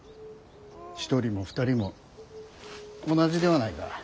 １人も２人も同じではないか。